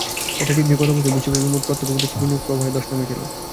এটা ঠিক যে গত বছর বিশ্বব্যাপী মোট প্রত্যক্ষবিদেশি বিনিয়োগ প্রবাহে ধস নেমেছিল।